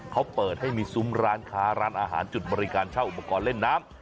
เขาเปิดให้มีซุ้มร้านค้าร้านอาหารจุดบริการเช่าอุปกรณ์เล่นน้ำ